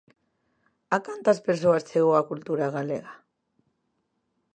A cantas persoas chegou a cultura galega?